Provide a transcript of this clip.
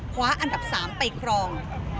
คว้าอันดับ๓ไปครอง